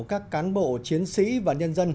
các cán bộ chiến sĩ và nhân dân